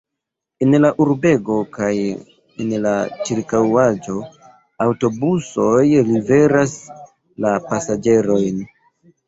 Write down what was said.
En la urbego kaj en la ĉirkaŭaĵo aŭtobusoj liveras la pasaĝerojn.